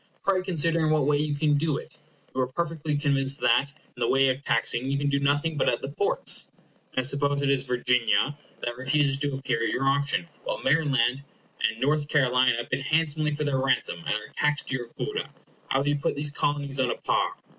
Pray consider in what way you can do it. You are perfectly convinced that, in the way of taxing, you can do nothing but at the ports. Now suppose it is Virginia that refuses to appear at your auction, while Maryland and North Carolina bid handsomely for their ransom, and are taxed to your quota, how will you put these Colonies on a par?